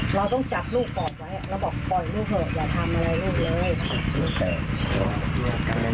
เราต้องจับลูกปอดไว้แล้วบอกปล่อยลูกเถอะอย่าทำอะไรลูกเลย